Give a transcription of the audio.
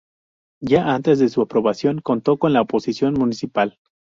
Ya antes de su aprobación contó con la oposición municipal.